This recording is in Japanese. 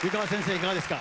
いかがですか？